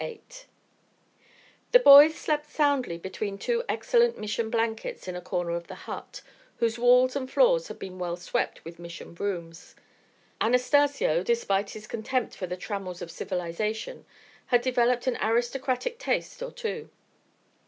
VIII The boys slept soundly between two excellent Mission blankets in a corner of the hut, whose walls and floors had been well swept with Mission brooms. Anastacio, despite his contempt for the trammels of civilisation, had developed an aristocratic taste or two.